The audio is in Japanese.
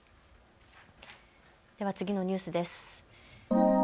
では次のニュースです。